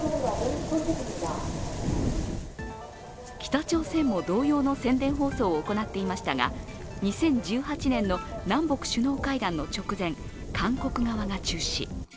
北朝鮮も同様の宣伝放送を行っていましたが、２０１８年の南北首脳会談の直前韓国側が中止。